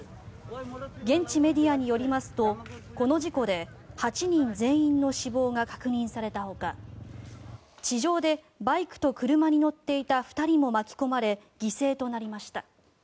現地メディアによりますとこの事故で８人全員の死亡が確認されたほか地上でバイクと車に乗っていた２人も巻き込まれ犠牲となりました。